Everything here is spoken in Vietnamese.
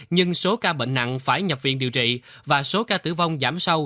nhưng số ca bệnh nặng phải nhập viện điều trị và số ca tử vong giảm sâu